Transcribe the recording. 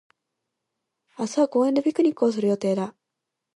明日は公園でピクニックをする予定だ。